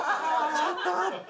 ちょっと待って。